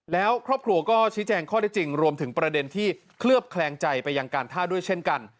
แล้วครอบครัวก็ชี้แจงข้อได้จริงรวมถึงประเด็นที่เคลือบแคลงใจไปยังการท่าด้วยเช่นกัน